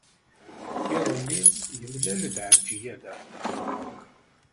Iḍelli, yemlal-d Ɛelǧiya da.